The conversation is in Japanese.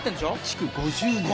築５０年。